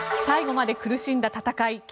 最後まで苦しんだ戦い。